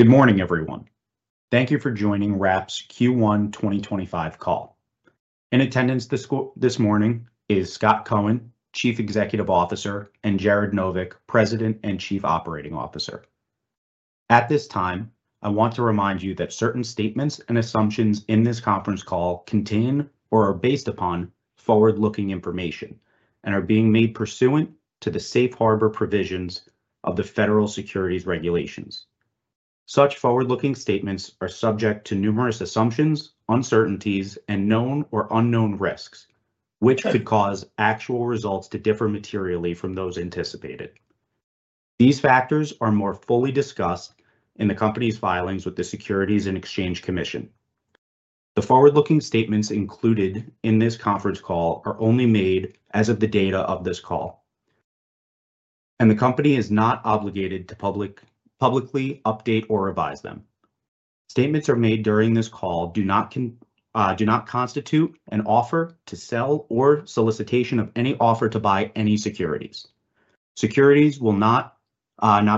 Good morning, everyone. Thank you for joining Wrap's Q1 2025 Call. In attendance this morning is Scot Cohen, Chief Executive Officer, and Jared Novick, President and Chief Operating Officer. At this time, I want to remind you that certain statements and assumptions in this conference call contain or are based upon forward-looking information and are being made pursuant to the safe harbor provisions of the federal securities regulations. Such forward-looking statements are subject to numerous assumptions, uncertainties, and known or unknown risks, which could cause actual results to differ materially from those anticipated. These factors are more fully discussed in the company's filings with the Securities and Exchange Commission. The forward-looking statements included in this conference call are only made as of the date of this call, and the company is not obligated to publicly update or revise them. Statements made during this call do not constitute an offer to sell or solicitation of any offer to buy any securities. Securities will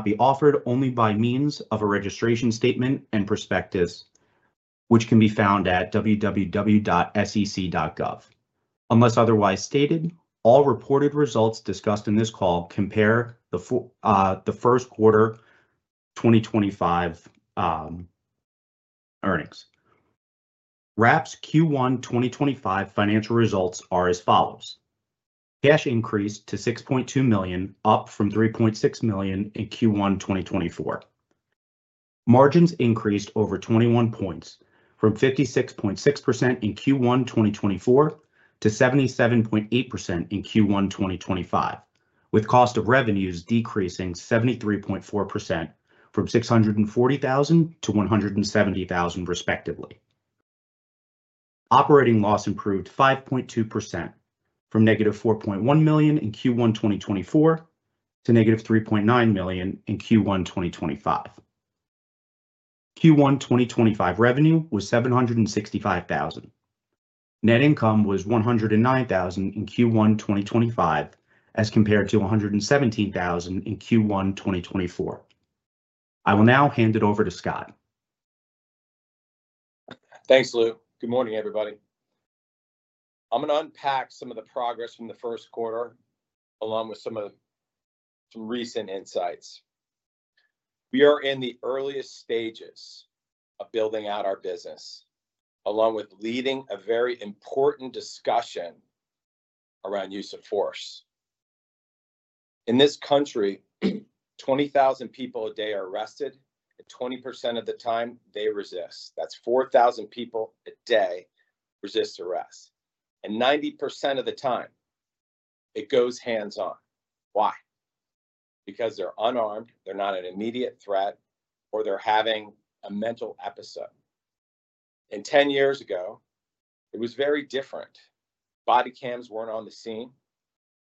be offered only by means of a registration statement and prospectus, which can be found at www.sec.gov. Unless otherwise stated, all reported results discussed in this call compare the first quarter 2025 earnings. Wrap's Q1 2025 financial results are as follows: Cash increased to $6.2 million, up from $3.6 million in Q1 2024. Margins increased over 21 points, from 56.6% in Q1 2024 to 77.8% in Q1 2025, with cost of revenues decreasing 73.4% from $640,000 to $170,000, respectively. Operating loss improved 5.2% from negative $4.1 million in Q1 2024 to negative $3.9 million in Q1 2025. Q1 2025 revenue was $765,000. Net income was $109,000 in Q1 2025 as compared to $117,000 in Q1 2024. I will now hand it over to Scot. Thanks, Lou. Good morning, everybody. I'm going to unpack some of the progress from the first quarter, along with some recent insights. We are in the earliest stages of building out our business, along with leading a very important discussion around use of force. In this country, 20,000 people a day are arrested, and 20% of the time they resist. That's 4,000 people a day resist arrest. 90% of the time, it goes hands-on. Why? Because they're unarmed, they're not an immediate threat, or they're having a mental episode. Ten years ago, it was very different. Body cams weren't on the scene.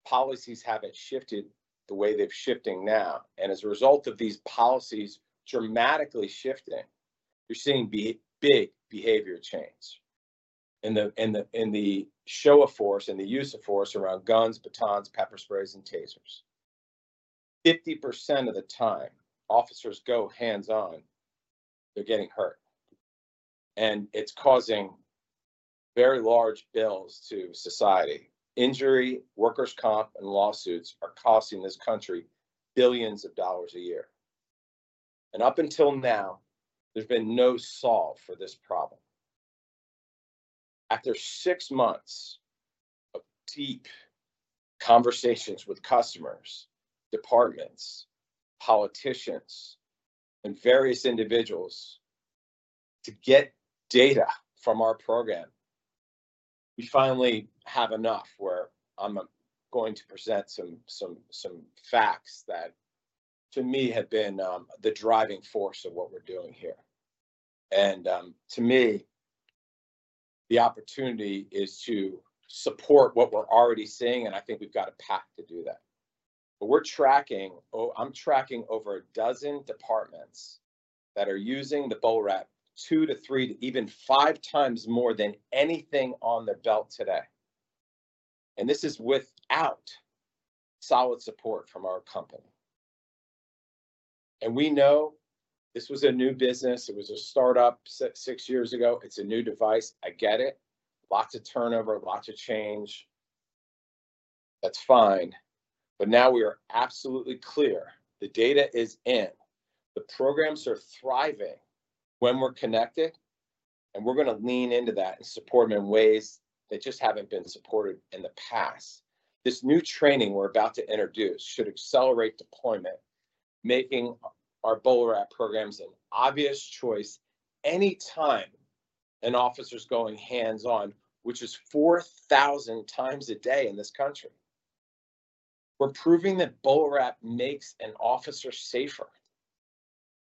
Policies haven't shifted the way they're shifting now. As a result of these policies dramatically shifting, you're seeing big behavior change in the show of force and the use of force around guns, batons, pepper sprays, and tasers. 50% of the time, officers go hands-on, they're getting hurt. It's causing very large bills to society. Injury, workers' comp, and lawsuits are costing this country billions of dollars a year. Up until now, there's been no solve for this problem. After six months of deep conversations with customers, departments, politicians, and various individuals to get data from our program, we finally have enough where I'm going to present some facts that, to me, have been the driving force of what we're doing here. To me, the opportunity is to support what we're already seeing, and I think we've got a path to do that. I'm tracking over a dozen departments that are using the BolaWrap two to three, even five times more than anything on their belt today. This is without solid support from our company. We know this was a new business. It was a startup six years ago. It's a new device. I get it. Lots of turnover, lots of change. That's fine. Now we are absolutely clear. The data is in. The programs are thriving when we're connected, and we're going to lean into that and support them in ways they just haven't been supported in the past. This new training we're about to introduce should accelerate deployment, making our BolaWrap programs an obvious choice anytime an officer's going hands-on, which is 4,000 times a day in this country. We're proving that BolaWrap makes an officer safer.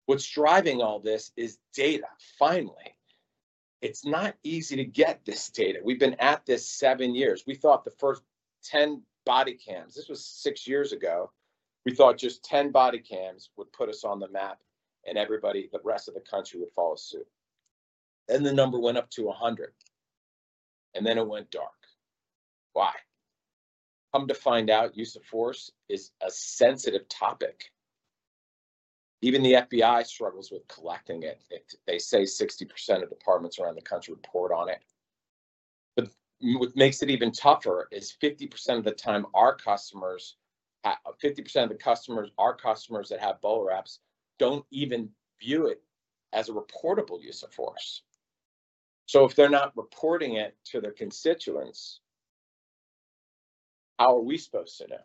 What's driving all this is data, finally. It's not easy to get this data. We've been at this seven years. We thought the first 10 body cams—this was six years ago—we thought just 10 body cams would put us on the map, and the rest of the country would follow suit. The number went up to 100, and then it went dark. Why? Come to find out, use of force is a sensitive topic. Even the FBI struggles with collecting it. They say 60% of departments around the country report on it. What makes it even tougher is 50% of the time our customers—50% of the customers—our customers that have BolaWraps do not even view it as a reportable use of force. If they are not reporting it to their constituents, how are we supposed to know?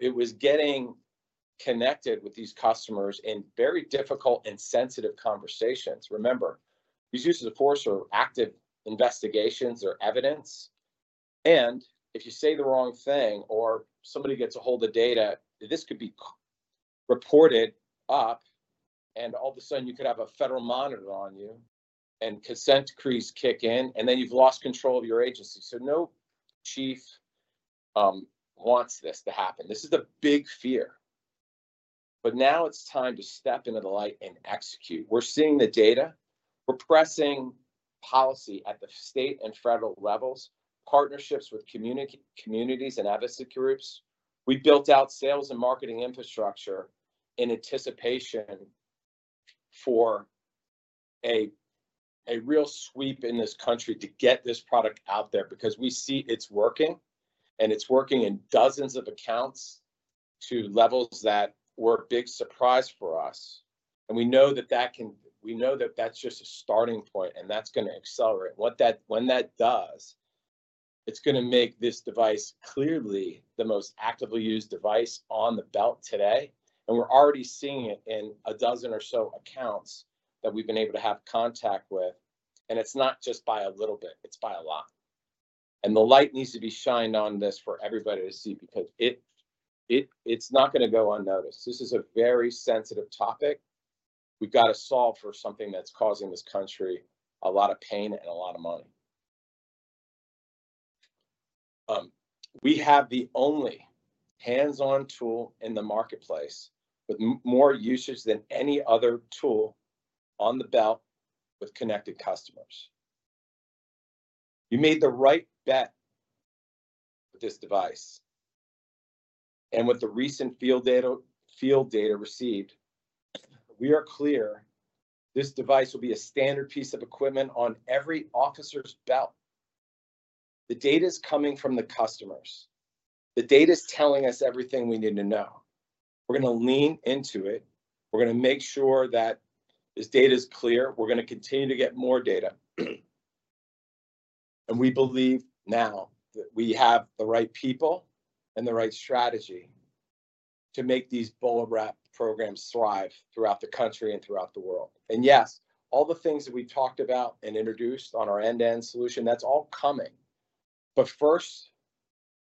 It was getting connected with these customers in very difficult and sensitive conversations. Remember, these uses of force are active investigations or evidence. If you say the wrong thing or somebody gets ahold of data, this could be reported up, and all of a sudden, you could have a federal monitor on you and consent decrees kick in, and then you've lost control of your agency. No chief wants this to happen. This is a big fear. Now it's time to step into the light and execute. We're seeing the data. We're pressing policy at the state and federal levels, partnerships with communities and advocacy groups. We built out sales and marketing infrastructure in anticipation for a real sweep in this country to get this product out there because we see it's working, and it's working in dozens of accounts to levels that were a big surprise for us. We know that that can—we know that that's just a starting point, and that's going to accelerate. When that does, it's going to make this device clearly the most actively used device on the belt today. We're already seeing it in a dozen or so accounts that we've been able to have contact with. It's not just by a little bit. It's by a lot. The light needs to be shined on this for everybody to see because it's not going to go unnoticed. This is a very sensitive topic. We've got to solve for something that's causing this country a lot of pain and a lot of money. We have the only hands-on tool in the marketplace with more usage than any other tool on the belt with connected customers. You made the right bet with this device. With the recent field data received, we are clear this device will be a standard piece of equipment on every officer's belt. The data is coming from the customers. The data is telling us everything we need to know. We're going to lean into it. We're going to make sure that this data is clear. We're going to continue to get more data. We believe now that we have the right people and the right strategy to make these BolaWrap programs thrive throughout the country and throughout the world. Yes, all the things that we talked about and introduced on our end-to-end solution, that's all coming. First,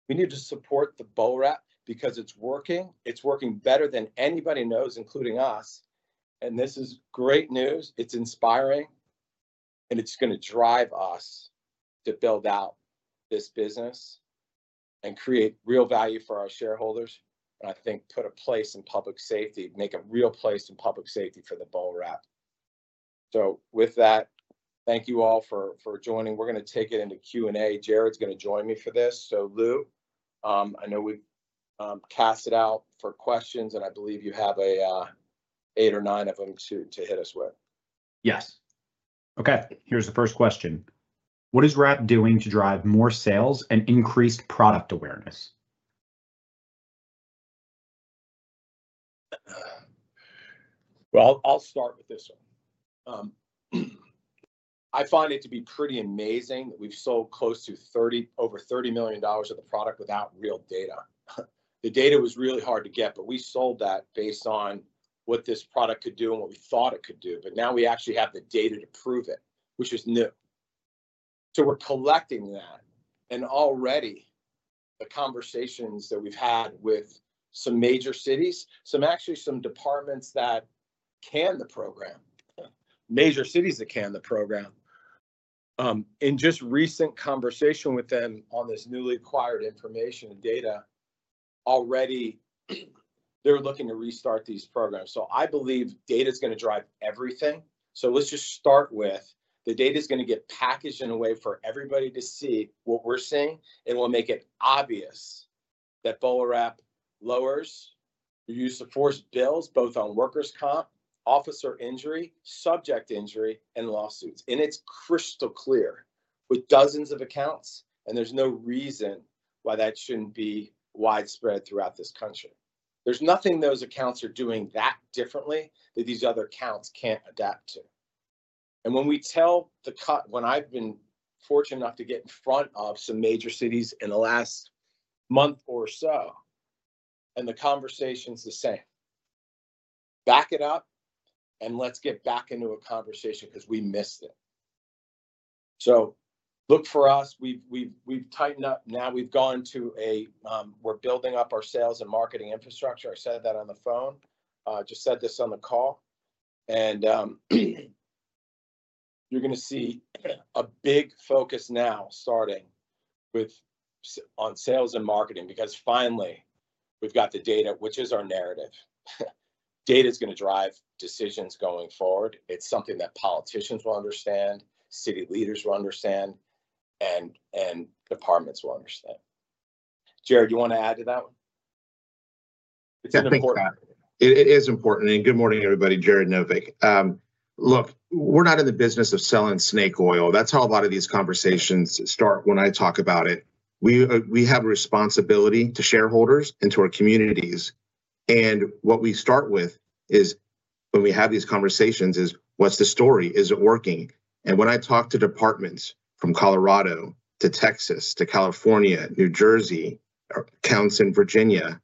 we need to support the BolaWrap because it's working. It's working better than anybody knows, including us. This is great news. It's inspiring, and it's going to drive us to build out this business and create real value for our shareholders and, I think, put a place in public safety, make a real place in public safety for the BolaWrap. With that, thank you all for joining. We're going to take it into Q&A. Jared's going to join me for this. Lou, I know we've cast it out for questions, and I believe you have eight or nine of them to hit us with. Yes. Okay. Here's the first question. What is Wrap doing to drive more sales and increased product awareness? I find it to be pretty amazing that we've sold close to over $30 million of the product without real data. The data was really hard to get, but we sold that based on what this product could do and what we thought it could do. Now we actually have the data to prove it, which is new. We are collecting that. Already, the conversations that we've had with some major cities, actually some departments that canned the program, major cities that canned the program. In just recent conversation with them on this newly acquired information and data, already, they're looking to restart these programs. I believe data is going to drive everything. Let's just start with the data is going to get packaged in a way for everybody to see what we're seeing. It will make it obvious that BolaWrap lowers the use of force bills, both on workers' comp, officer injury, subject injury, and lawsuits. It is crystal clear with dozens of accounts, and there is no reason why that should not be widespread throughout this country. There is nothing those accounts are doing that differently that these other accounts cannot adapt to. When we tell the—when I have been fortunate enough to get in front of some major cities in the last month or so, the conversation is the same, back it up and let us get back into a conversation because we missed it. Look for us. We have tightened up. Now we have gone to a—we are building up our sales and marketing infrastructure. I said that on the phone, just said this on the call. You're going to see a big focus now starting on sales and marketing because finally, we've got the data, which is our narrative. Data is going to drive decisions going forward. It's something that politicians will understand, city leaders will understand, and departments will understand. Jared, do you want to add to that one? It's important. It is important. Good morning, everybody. Jared Novick. Look, we're not in the business of selling snake oil. That's how a lot of these conversations start when I talk about it. We have a responsibility to shareholders and to our communities. What we start with is when we have these conversations is, what's the story? Is it working? When I talk to departments from Colorado to Texas to California, New Jersey, counties in Virginia,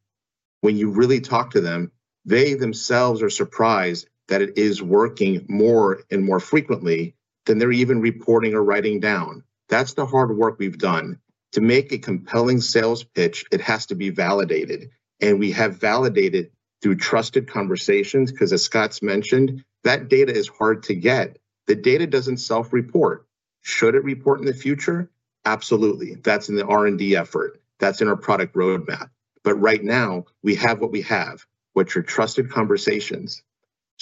when you really talk to them, they themselves are surprised that it is working more and more frequently than they're even reporting or writing down. That's the hard work we've done. To make a compelling sales pitch, it has to be validated. We have validated through trusted conversations because, as Scot's mentioned, that data is hard to get. The data doesn't self-report. Should it report in the future? Absolutely. That's in the R&D effort. That's in our product roadmap. Right now, we have what we have, which are trusted conversations.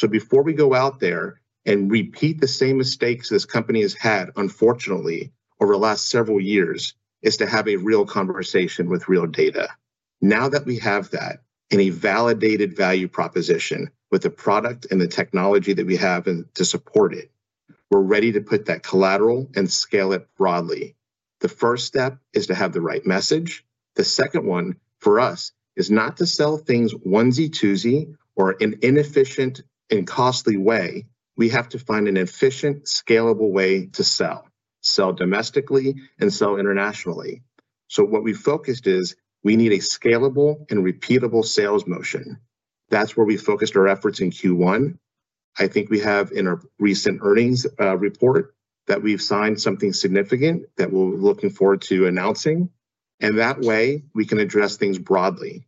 Before we go out there and repeat the same mistakes this company has had, unfortunately, over the last several years, is to have a real conversation with real data. Now that we have that, in a validated value proposition with the product and the technology that we have to support it, we're ready to put that collateral and scale it broadly. The first step is to have the right message. The second one for us is not to sell things onesie-twosie or in an inefficient and costly way. We have to find an efficient, scalable way to sell, sell domestically and sell internationally. What we focused is we need a scalable and repeatable sales motion. That's where we focused our efforts in Q1. I think we have in our recent earnings report that we've signed something significant that we're looking forward to announcing. That way, we can address things broadly.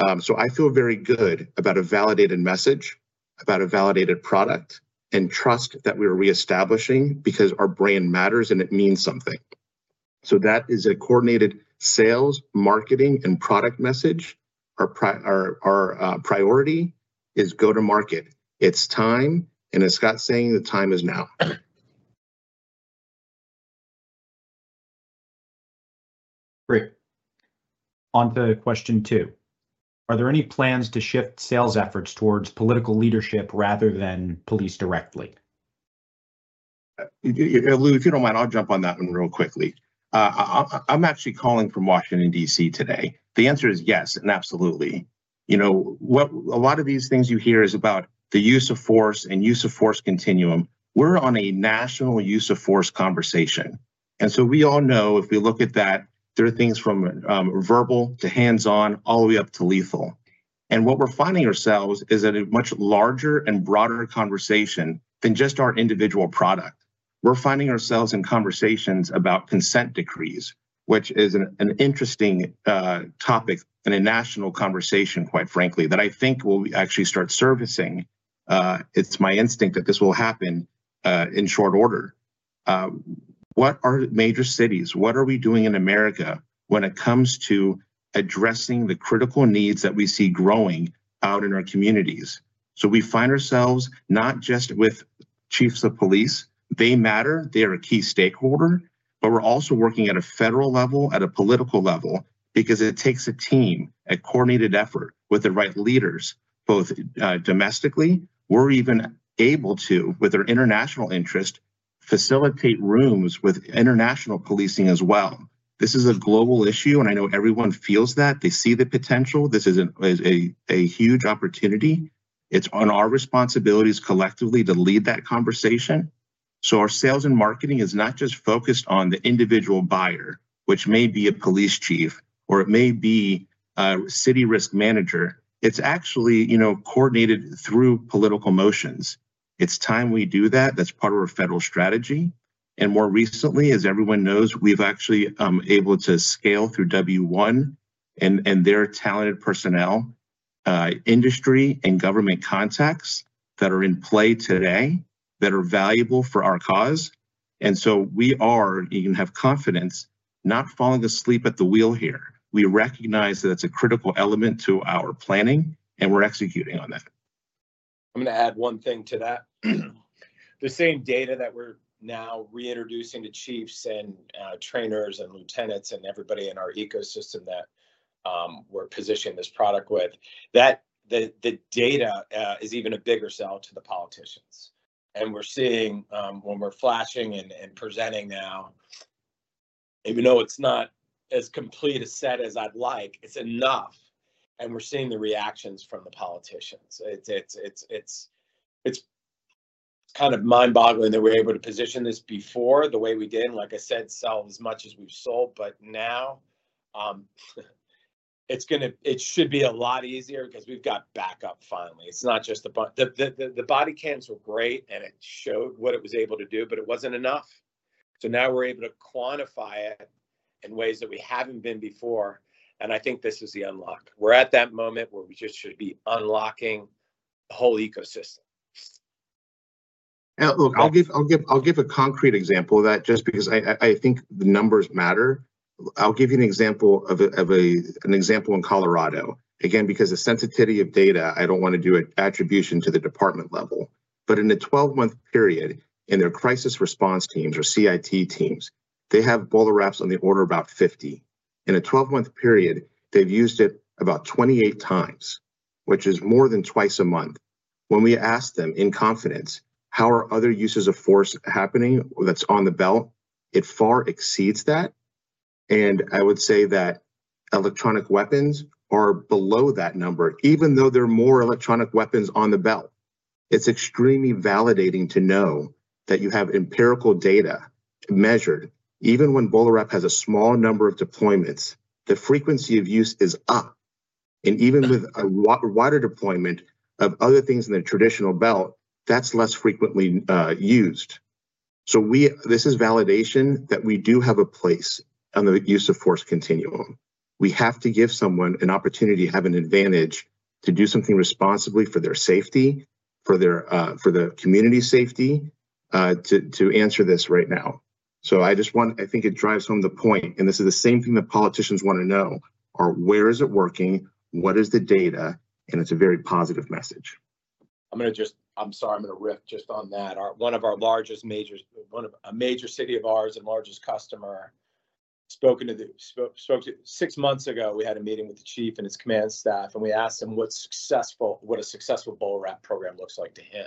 I feel very good about a validated message, about a validated product, and trust that we're reestablishing because our brand matters and it means something. That is a coordinated sales, marketing, and product message. Our priority is go-to-market. It's time. As Scot's saying, the time is now. Great. On to question two. Are there any plans to shift sales efforts towards political leadership rather than police directly? Lou, if you do not mind, I will jump on that one real quickly. I am actually calling from Washington, D.C., today. The answer is yes and absolutely. A lot of these things you hear is about the use of force and use of force continuum. We are on a national use of force conversation. If we look at that, there are things from verbal to hands-on all the way up to lethal. What we are finding ourselves is at a much larger and broader conversation than just our individual product. We are finding ourselves in conversations about consent decrees, which is an interesting topic and a national conversation, quite frankly, that I think we will actually start servicing. It is my instinct that this will happen in short order. What are major cities? What are we doing in America when it comes to addressing the critical needs that we see growing out in our communities? We find ourselves not just with chiefs of police. They matter. They are a key stakeholder. We are also working at a federal level, at a political level, because it takes a team, a coordinated effort with the right leaders, both domestically. We are even able to, with our international interest, facilitate rooms with international policing as well. This is a global issue, and I know everyone feels that. They see the potential. This is a huge opportunity. It is on our responsibilities collectively to lead that conversation. Our sales and marketing is not just focused on the individual buyer, which may be a police chief or it may be a city risk manager. It is actually coordinated through political motions. It is time we do that. That's part of our federal strategy. More recently, as everyone knows, we've actually been able to scale through W1 and their talented personnel, industry, and government contacts that are in play today that are valuable for our cause. You can have confidence we are not falling asleep at the wheel here. We recognize that that's a critical element to our planning, and we're executing on that. I'm going to add one thing to that. The same data that we're now reintroducing to chiefs and trainers and lieutenants and everybody in our ecosystem that we're positioning this product with, that the data is even a bigger sell to the politicians. We're seeing when we're flashing and presenting now, even though it's not as complete a set as I'd like, it's enough. We're seeing the reactions from the politicians. It's kind of mind-boggling that we were able to position this before the way we did, and like I said, sell as much as we've sold. Now it should be a lot easier because we've got backup finally. It's not just the body cams were great, and it showed what it was able to do, but it wasn't enough. Now we're able to quantify it in ways that we haven't been before. I think this is the unlock. We're at that moment where we just should be unlocking the whole ecosystem. Now, look, I'll give a concrete example of that just because I think the numbers matter. I'll give you an example of an example in Colorado. Again, because of the sensitivity of data, I don't want to do attribution to the department level. In a 12-month period, in their crisis response teams or CIT teams, they have BolaWraps on the order of about 50. In a 12-month period, they've used it about 28 times, which is more than twice a month. When we asked them in confidence, "How are other uses of force happening that's on the belt?" it far exceeds that. I would say that electronic weapons are below that number, even though there are more electronic weapons on the belt. It's extremely validating to know that you have empirical data measured. Even when BolaWrap has a small number of deployments, the frequency of use is up. Even with a wider deployment of other things in the traditional belt, that's less frequently used. This is validation that we do have a place on the use of force continuum. We have to give someone an opportunity to have an advantage to do something responsibly for their safety, for the community's safety, to answer this right now. I just want—I think it drives home the point. This is the same thing that politicians want to know: where is it working? What is the data? It is a very positive message. I'm going to just—I'm sorry. I'm going to riff just on that. One of our largest major—a major city of ours, and largest customer—spoke to six months ago. We had a meeting with the chief and his command staff, and we asked him what a successful BolaWrap program looks like to him.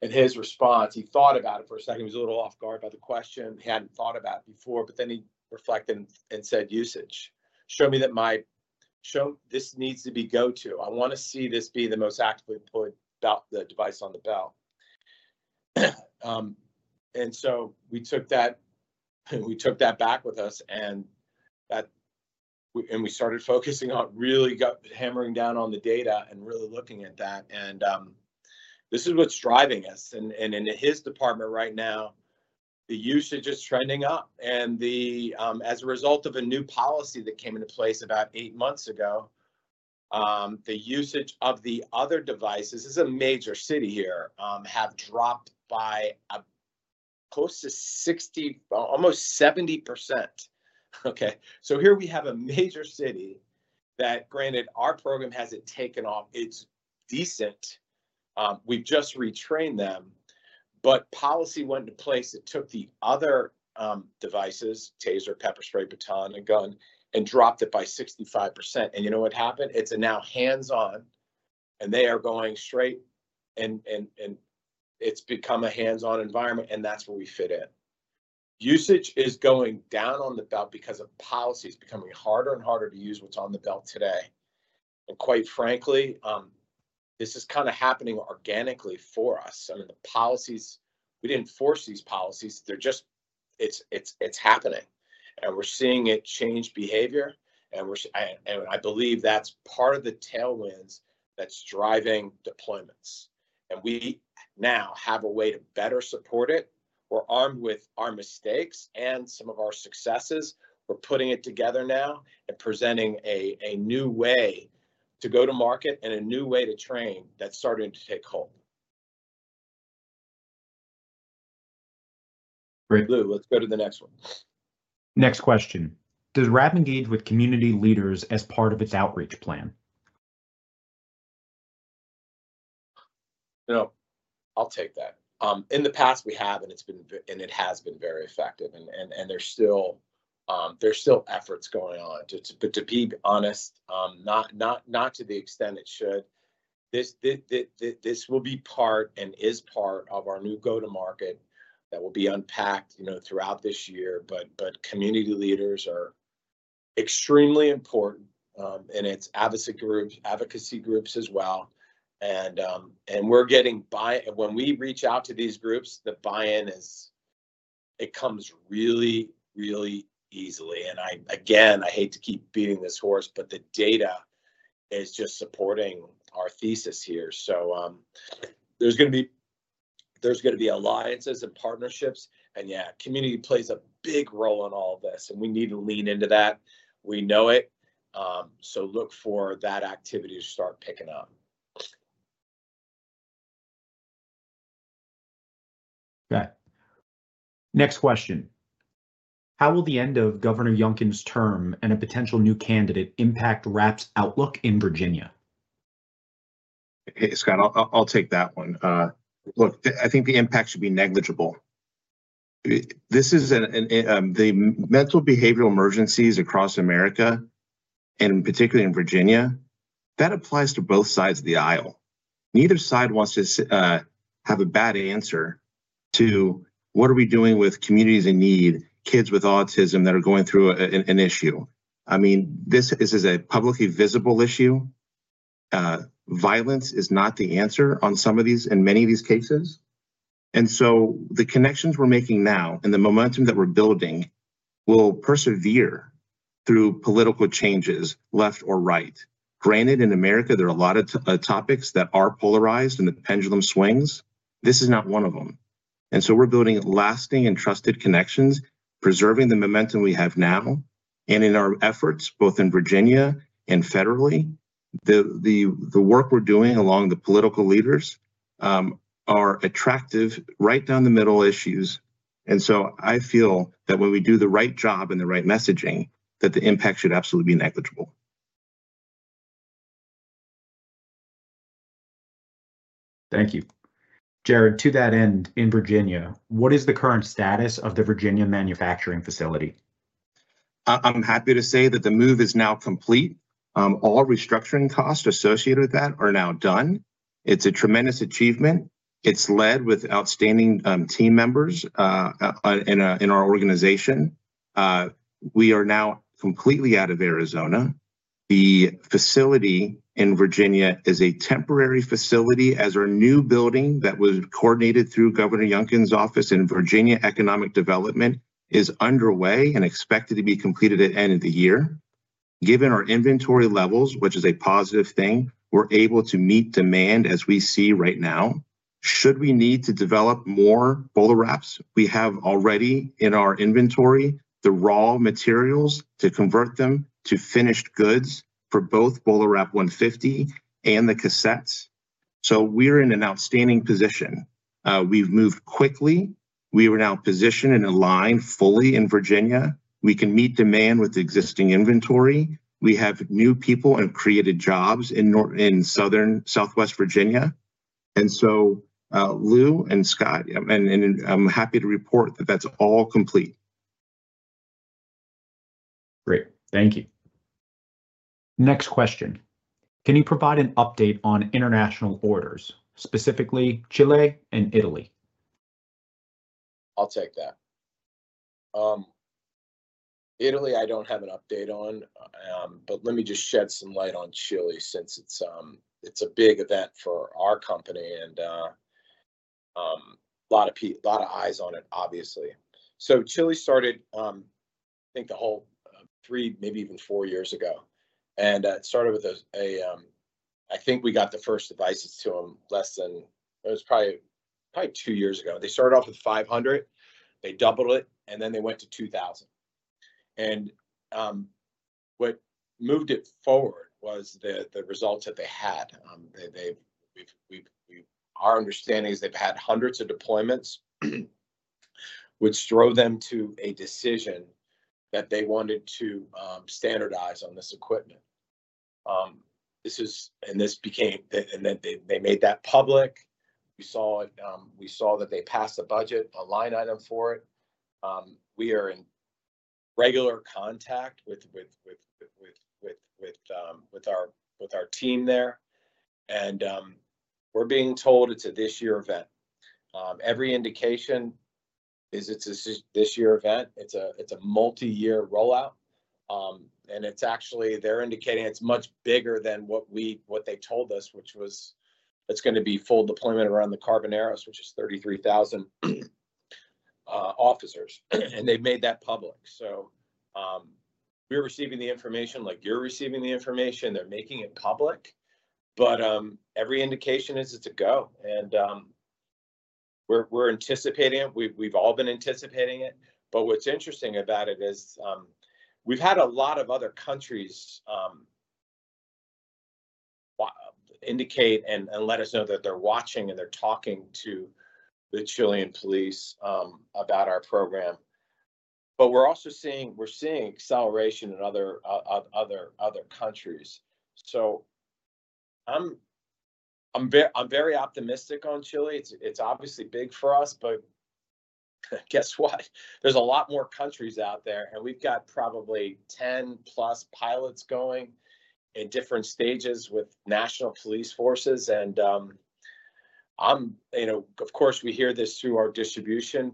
His response, he thought about it for a second. He was a little off guard by the question. He hadn't thought about it before. He reflected and said, "Usage. Show me that my—show this needs to be go-to. I want to see this be the most actively put the device on the belt." We took that back with us, and we started focusing on really hammering down on the data and really looking at that. This is what's driving us. In his department right now, the usage is trending up. As a result of a new policy that came into place about eight months ago, the usage of the other devices—this is a major city here—has dropped by close to 60%, almost 70%. Okay. Here we have a major city that, granted, our program has not taken off. It is decent. We have just retrained them. Policy went into place. It took the other devices—Taser, Pepper Spray, Baton, and Gun—and dropped it by 65%. You know what happened? It is now hands-on. They are going straight, and it has become a hands-on environment. That is where we fit in. Usage is going down on the belt because of policies becoming harder and harder to use what is on the belt today. Quite frankly, this is kind of happening organically for us. I mean, the policies—we did not force these policies. It is happening. We are seeing it change behavior. I believe that's part of the tailwinds that's driving deployments. We now have a way to better support it. We're armed with our mistakes and some of our successes. We're putting it together now and presenting a new way to go to market and a new way to train that's starting to take hold. Great. Lou, let's go to the next one. Next question. Does Wrap engage with community leaders as part of its outreach plan? I'll take that. In the past, we have, and it has been very effective. There's still efforts going on. To be honest, not to the extent it should, this will be part and is part of our new go-to-market that will be unpacked throughout this year. Community leaders are extremely important, and it's advocacy groups as well. We're getting—when we reach out to these groups, the buy-in comes really, really easily. Again, I hate to keep beating this horse, but the data is just supporting our thesis here. There's going to be alliances and partnerships. Community plays a big role in all of this. We need to lean into that. We know it. Look for that activity to start picking up. Okay. Next question. How will the end of Governor Youngkin's term and a potential new candidate impact Wrap's outlook in Virginia? Okay. Scot, I'll take that one. Look, I think the impact should be negligible. This is the mental behavioral emergencies across America, and particularly in Virginia. That applies to both sides of the aisle. Neither side wants to have a bad answer to, "What are we doing with communities in need, kids with autism that are going through an issue?" I mean, this is a publicly visible issue. Violence is not the answer on some of these and many of these cases. The connections we're making now and the momentum that we're building will persevere through political changes, left or right. Granted, in America, there are a lot of topics that are polarized and the pendulum swings. This is not one of them. We're building lasting and trusted connections, preserving the momentum we have now. In our efforts, both in Virginia and federally, the work we're doing along the political leaders are attractive right down the middle issues. I feel that when we do the right job and the right messaging, that the impact should absolutely be negligible. Thank you. Jared, to that end, in Virginia, what is the current status of the Virginia manufacturing facility? I'm happy to say that the move is now complete. All restructuring costs associated with that are now done. It's a tremendous achievement. It's led with outstanding team members in our organization. We are now completely out of Arizona. The facility in Virginia is a temporary facility as our new building that was coordinated through Governor Youngkin's office in Virginia economic development is underway and expected to be completed at the end of the year. Given our inventory levels, which is a positive thing, we're able to meet demand as we see right now. Should we need to develop more BolaWraps? We have already in our inventory the raw materials to convert them to finished goods for both BolaWrap 150 and the cassettes. So we're in an outstanding position. We've moved quickly. We are now positioned and aligned fully in Virginia. We can meet demand with existing inventory. We have new people and created jobs in Southwest Virginia. Lou and Scot, I'm happy to report that that's all complete. Great. Thank you. Next question. Can you provide an update on international orders, specifically Chile and Italy? I'll take that. Italy, I don't have an update on. Let me just shed some light on Chile since it's a big event for our company and a lot of eyes on it, obviously. Chile started, I think, the whole three, maybe even four years ago. It started with a—I think we got the first devices to them less than—it was probably two years ago. They started off with 500. They doubled it, and then they went to 2,000. What moved it forward was the results that they had. Our understanding is they've had hundreds of deployments, which drove them to a decision that they wanted to standardize on this equipment. This became—and then they made that public. We saw that they passed a budget, a line item for it. We are in regular contact with our team there. We're being told it's a this-year event. Every indication is it's a this-year event. It's a multi-year rollout. They're indicating it's much bigger than what they told us, which was it's going to be full deployment around the Carabineros, which is 33,000 officers. They've made that public. We're receiving the information like you're receiving the information. They're making it public. Every indication is it's a go. We're anticipating it. We've all been anticipating it. What's interesting about it is we've had a lot of other countries indicate and let us know that they're watching and they're talking to the Chilean police about our program. We're also seeing acceleration in other countries. I'm very optimistic on Chile. It's obviously big for us. Guess what? There's a lot more countries out there. We've got probably 10-plus pilots going in different stages with national police forces. Of course, we hear this through our distribution.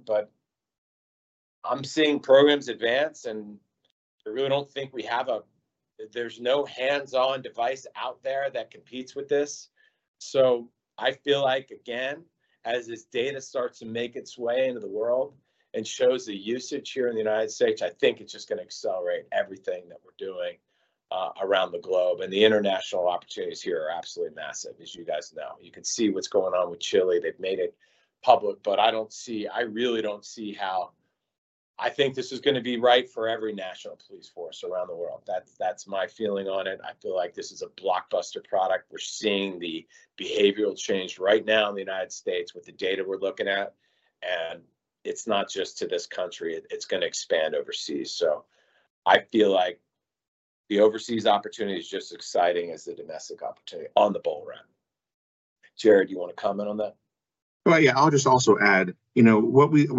I'm seeing programs advance. I really don't think we have a—there's no hands-on device out there that competes with this. I feel like, again, as this data starts to make its way into the world and shows the usage here in the United States, I think it's just going to accelerate everything that we're doing around the globe. The international opportunities here are absolutely massive, as you guys know. You can see what's going on with Chile. They've made it public. I really don't see how—I think this is going to be right for every national police force around the world. That's my feeling on it. I feel like this is a blockbuster product. We're seeing the behavioral change right now in the United States with the data we're looking at. It's not just to this country. It's going to expand overseas. I feel like the overseas opportunity is just as exciting as the domestic opportunity on the BolaWrap. Jared, do you want to comment on that? I'll just also add, when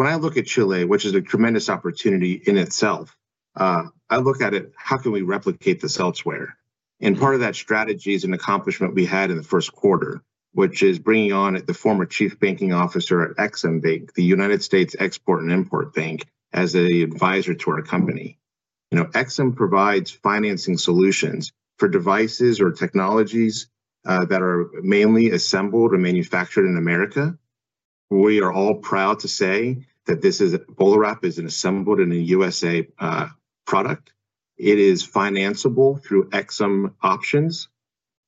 I look at Chile, which is a tremendous opportunity in itself, I look at it, how can we replicate this elsewhere? Part of that strategy is an accomplishment we had in the first quarter, which is bringing on the former Chief Banking Officer at EXIM Bank, the United States Export-Import Bank, as an advisor to our company. EXIM provides financing solutions for devices or technologies that are mainly assembled or manufactured in America. We are all proud to say that this is a BolaWrap, is an assembled and a USA product. It is financeable through EXIM options.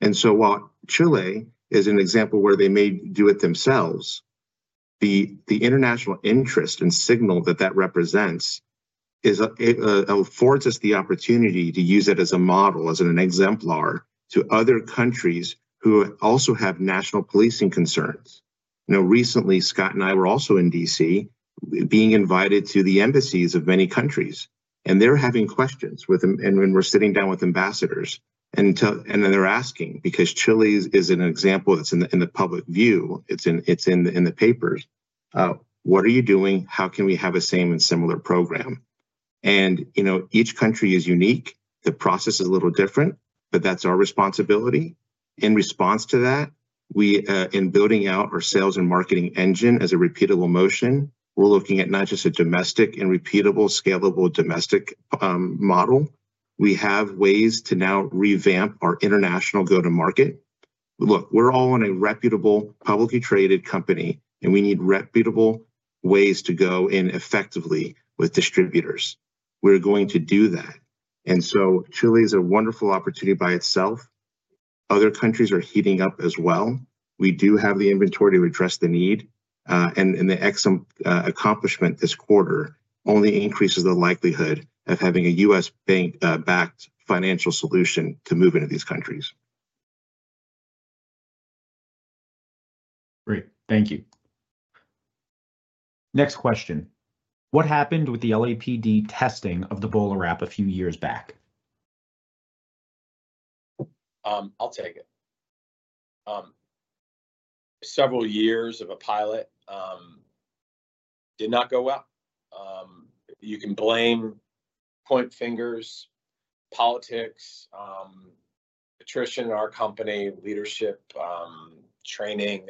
While Chile is an example where they may do it themselves, the international interest and signal that that represents affords us the opportunity to use it as a model, as an exemplar to other countries who also have national policing concerns. Recently, Scot and I were also in D.C., being invited to the embassies of many countries. They are having questions. We are sitting down with ambassadors. They are asking, because Chile is an example that is in the public view. It is in the papers. What are you doing? How can we have a same and similar program? Each country is unique. The process is a little different, but that is our responsibility. In response to that, in building out our sales and marketing engine as a repeatable motion, we are looking at not just a domestic and repeatable, scalable domestic model. We have ways to now revamp our international go-to-market. Look, we are all in a reputable, publicly traded company. We need reputable ways to go in effectively with distributors. We are going to do that. Chile is a wonderful opportunity by itself. Other countries are heating up as well. We do have the inventory to address the need. The EXIM accomplishment this quarter only increases the likelihood of having a U.S. bank-backed financial solution to move into these countries. Great. Thank you. Next question. What happened with the LAPD testing of the BolaWrap a few years back? I'll take it. Several years of a pilot did not go well. You can blame, point fingers, politics, attrition in our company, leadership, training,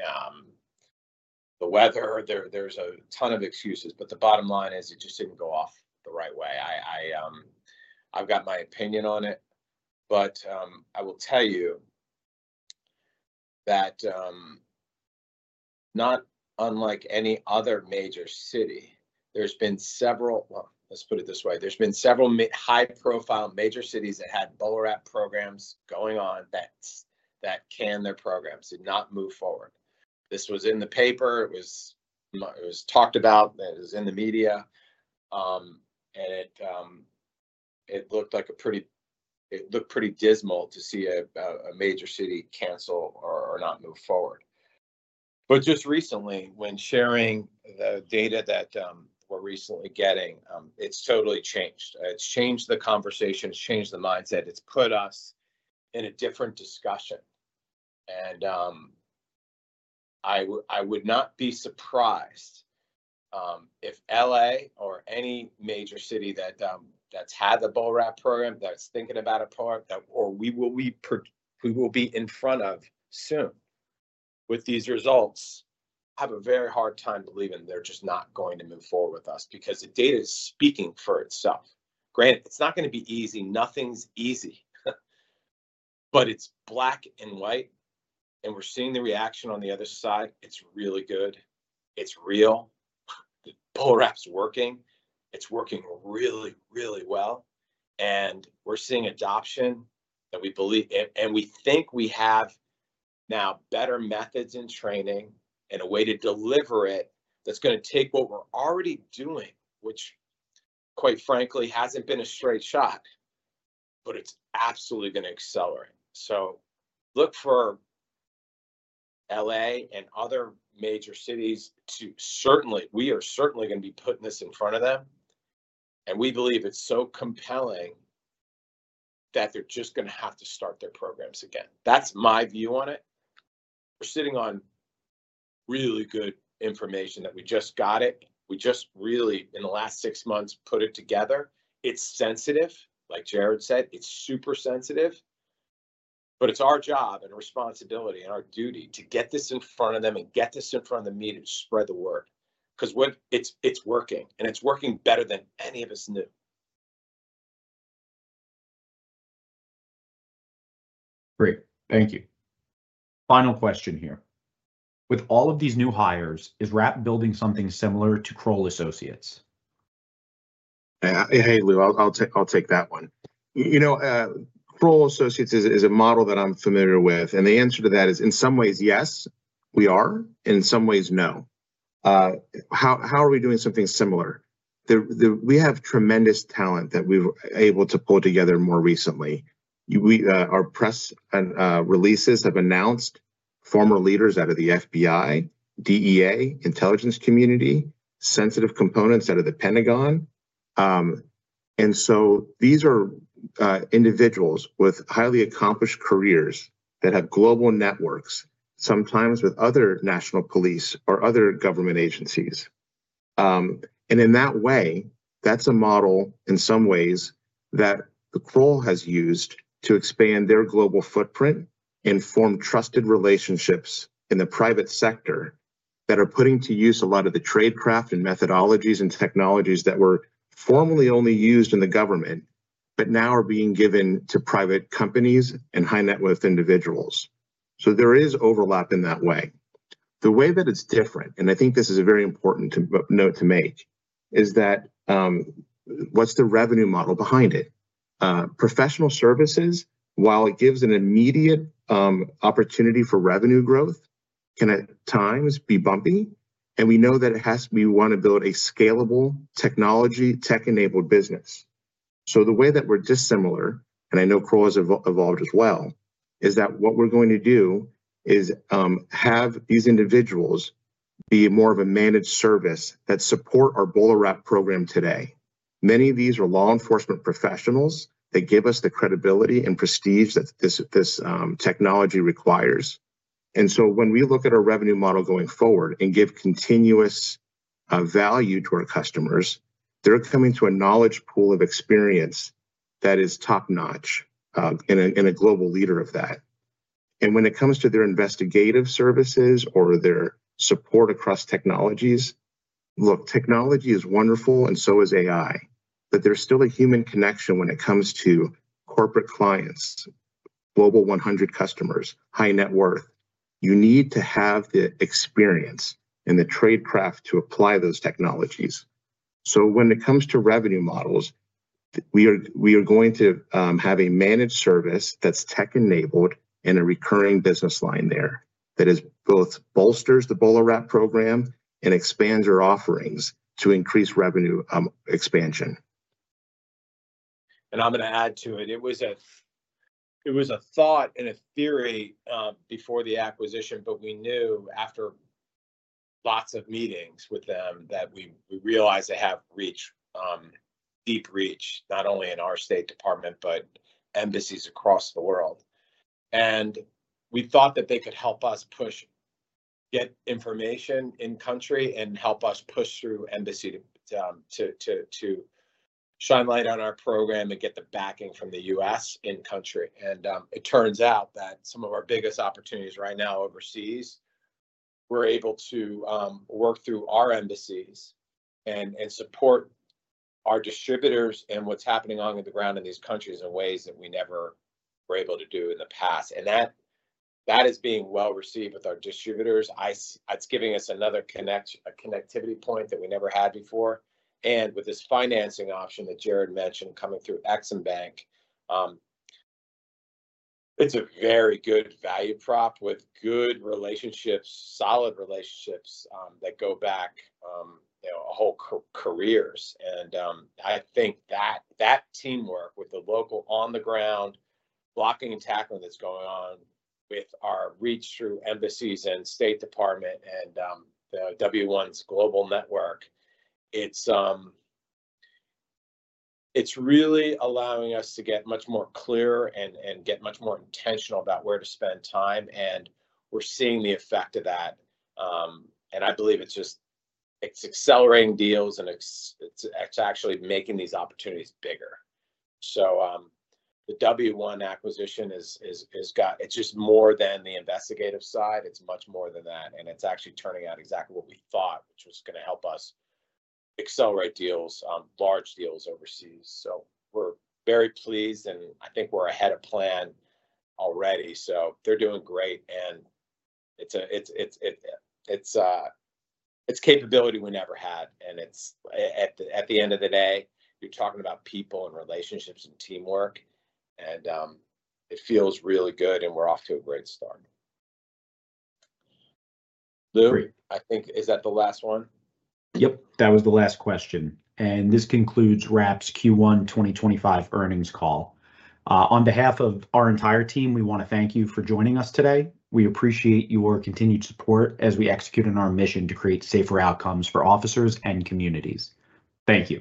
the weather. There's a ton of excuses. The bottom line is it just didn't go off the right way. I've got my opinion on it. I will tell you that not unlike any other major city, there's been several—let's put it this way. There's been several high-profile major cities that had BolaWrap programs going on that canned their programs, did not move forward. This was in the paper. It was talked about. It was in the media. It looked pretty dismal to see a major city cancel or not move forward. Just recently, when sharing the data that we're recently getting, it's totally changed. It's changed the conversation. It's changed the mindset. It's put us in a different discussion. I would not be surprised if L.A. or any major city that's had the BolaWrap program, that's thinking about a pilot, or we will be in front of soon with these results, have a very hard time believing they're just not going to move forward with us because the data is speaking for itself. Granted, it's not going to be easy. Nothing's easy. It is black and white. We're seeing the reaction on the other side. It's really good. It's real. BolaWrap's working. It's working really, really well. We're seeing adoption. We think we have now better methods in training and a way to deliver it that's going to take what we're already doing, which, quite frankly, hasn't been a straight shot. It is absolutely going to accelerate. Look for L.A. and other major cities to certainly—we are certainly going to be putting this in front of them. We believe it's so compelling that they're just going to have to start their programs again. That's my view on it. We're sitting on really good information that we just got. We just really, in the last six months, put it together. It's sensitive, like Jared said. It's super sensitive. It is our job and responsibility and our duty to get this in front of them and get this in front of the media to spread the word because it's working. It's working better than any of us knew. Great. Thank you. Final question here. With all of these new hires, is Wrap building something similar to Kroll Associates? Hey, Lou, I'll take that one. Kroll Associates is a model that I'm familiar with. The answer to that is, in some ways, yes, we are. In some ways, no. How are we doing something similar? We have tremendous talent that we're able to pull together more recently. Our press releases have announced former leaders out of the FBI, DEA, intelligence community, sensitive components out of the Pentagon. These are individuals with highly accomplished careers that have global networks, sometimes with other national police or other government agencies. In that way, that's a model, in some ways, that Kroll Associates has used to expand their global footprint and form trusted relationships in the private sector that are putting to use a lot of the tradecraft and methodologies and technologies that were formerly only used in the government but now are being given to private companies and high-net-worth individuals. There is overlap in that way. The way that it's different—I think this is a very important note to make—is that what's the revenue model behind it? Professional services, while it gives an immediate opportunity for revenue growth, can at times be bumpy. We know that we want to build a scalable technology, tech-enabled business. The way that we're dissimilar, and I know Kroll has evolved as well, is that what we're going to do is have these individuals be more of a managed service that support our BolaWrap program today. Many of these are law enforcement professionals that give us the credibility and prestige that this technology requires. When we look at our revenue model going forward and give continuous value to our customers, they're coming to a knowledge pool of experience that is top-notch and a global leader of that. When it comes to their investigative services or their support across technologies, look, technology is wonderful, and so is AI. There's still a human connection when it comes to corporate clients, Global 100 customers, high-net-worth. You need to have the experience and the tradecraft to apply those technologies. When it comes to revenue models, we are going to have a managed service that's tech-enabled and a recurring business line there that both bolsters the BolaWrap program and expands our offerings to increase revenue expansion. I'm going to add to it. It was a thought and a theory before the acquisition. We knew after lots of meetings with them that we realized they have deep reach, not only in our State Department but embassies across the world. We thought that they could help us get information in-country and help us push through embassy to shine light on our program and get the backing from the U.S. in-country. It turns out that some of our biggest opportunities right now overseas, we're able to work through our embassies and support our distributors and what's happening on the ground in these countries in ways that we never were able to do in the past. That is being well received with our distributors. It's giving us another connectivity point that we never had before. With this financing option that Jared mentioned coming through EXIM Bank, it's a very good value prop with good relationships, solid relationships that go back a whole careers. I think that teamwork with the local on-the-ground blocking and tackling that's going on with our reach through embassies and State Department and W1's global network, it's really allowing us to get much more clear and get much more intentional about where to spend time. We're seeing the effect of that. I believe it's accelerating deals, and it's actually making these opportunities bigger. The W1 acquisition, it's just more than the investigative side. It's much more than that. It's actually turning out exactly what we thought, which was going to help us accelerate deals, large deals overseas. We're very pleased. I think we're ahead of plan already. They're doing great. It's capability we never had. At the end of the day, you're talking about people and relationships and teamwork. It feels really good. We're off to a great start. Lou, I think, is that the last one? Yep. That was the last question. This concludes Wrap Technologies' Q1 2025 Earnings Call. On behalf of our entire team, we want to thank you for joining us today. We appreciate your continued support as we execute on our mission to create safer outcomes for officers and communities. Thank you.